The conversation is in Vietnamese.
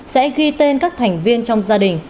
sẽ ghi tên các thành viên trong gia đình